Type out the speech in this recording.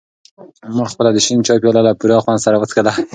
ما خپله د شین چای پیاله له پوره خوند سره وڅښله.